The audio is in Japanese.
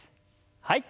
はい。